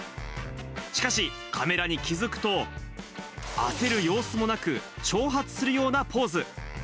しかし、カメラに気付くと、焦る様子もなく、挑発するようなポーズ。